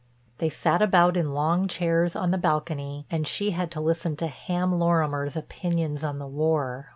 They sat about in long chairs on the balcony and she had to listen to Ham Lorimer's opinions on the war.